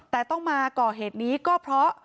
แต่ต้องมาก่อเหตุนี้ก็เพราะ